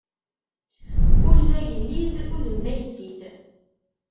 Ul d agellid, udem d ayeddid.